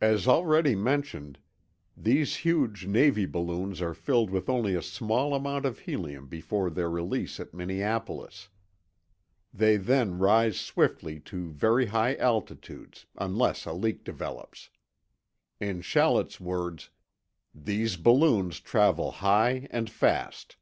As already mentioned, these huge Navy balloons are filled with only a small amount of helium before their release at Minneapolis. They then rise swiftly to very high altitudes, unless a leak develops. In Shallett's words, "These balloons travel high and fast.